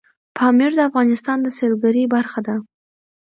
پامیر د افغانستان د سیلګرۍ برخه ده.